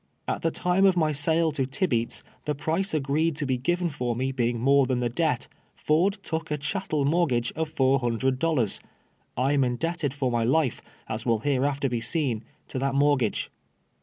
At the time of my sale to Tibeats, the price agreed to be given for me beini;; more than the debt, Ford took a cliattel moi tgafre of four hundred dollars. I am iiidel)ted f )r my life, as will hereai'ter be seen, to that mortixage.